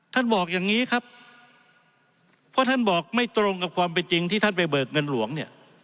บอกอย่างนี้ครับเพราะท่านบอกไม่ตรงกับความเป็นจริงที่ท่านไปเบิกเงินหลวงเนี่ย